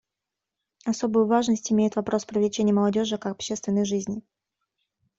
Особую важность имеет вопрос привлечения молодежи к общественной жизни.